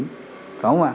phải không ạ